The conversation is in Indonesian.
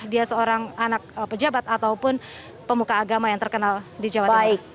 dia seorang anak pejabat ataupun pemuka agama yang terkenal di jawa timur